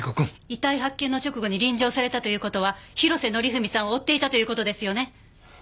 遺体発見の直後に臨場されたという事は広瀬則文さんを追っていたという事ですよね？